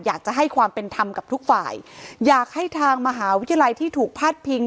อยากจะให้ความเป็นธรรมกับทุกฝ่ายอยากให้ทางมหาวิทยาลัยที่ถูกพาดพิง